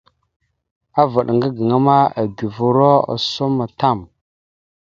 Avaɗ ŋga gaŋa ma eguvoróosom tam.